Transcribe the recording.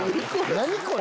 何これ。